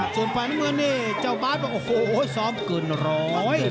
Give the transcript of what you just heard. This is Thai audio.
ส่วนฝ่านมือนี่เจ้าบ๊าซว่าโอ้โหซ้อมเกินร้อย